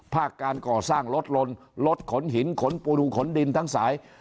ภาคการก่อสร้างลดลนลดขนหินขนปูดูขนดินทั้งสาย